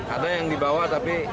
ada yang dibawa tapi